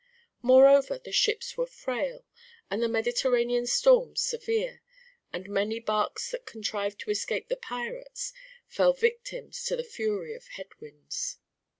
Moreover the ships were frail, and the Mediterranean storms severe, and many barks that contrived to escape the pirates fell victims to the fury of head winds.